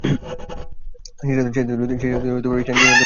সেই সাথে তিনি প্রথম কোন এশিয়ান যিনি ইংলিশ লিগে ক্যাপ্টেন ছিলেন।